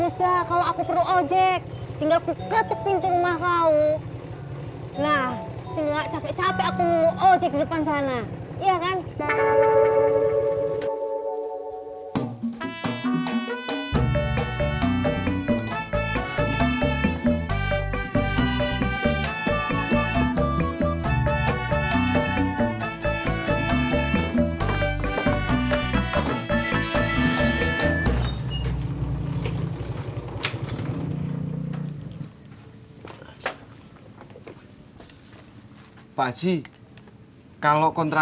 sampai jumpa di video selanjutnya